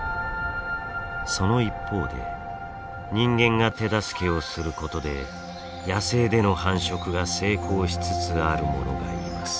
その一方で人間が手助けをすることで野生での繁殖が成功しつつあるものがいます。